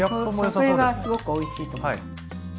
それがすごくおいしいとこなの。